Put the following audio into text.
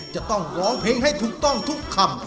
จะต้องร้องเพลงให้ถูกต้องทุกคำ